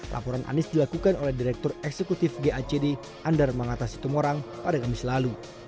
laporan anies dilakukan oleh direktur eksekutif gacd andar mangata situmorang pada kamis lalu